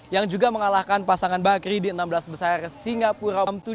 yang juga mengalahkan pasangan bakri di enam belas besar singapura om tujuh